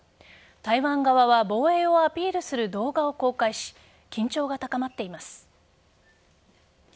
台湾側は防衛をアピールする動画を公開し緊張が高まっています。